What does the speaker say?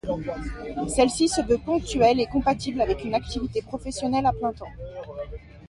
Celle-ci se veut ponctuelle et compatible avec une activité professionnelle à plein temps.